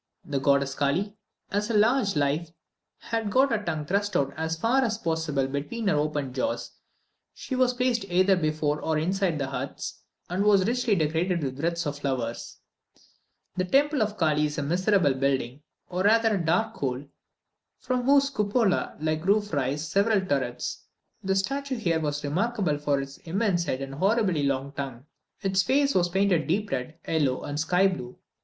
The goddess Kally, as large as life, had got her tongue thrust out as far as possible between her open jaws; she was placed either before or inside the huts, and was richly decorated with wreaths of flowers. The temple of Kally is a miserable building, or rather a dark hole, from whose cupola like roof rise several turrets: the statue here was remarkable for its immense head and horribly long tongue. Its face was painted deep red, yellow, and sky blue.